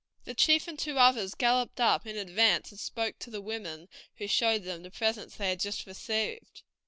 The chief and two others galloped up in advance and spoke to the women, who showed them the presents they had just received.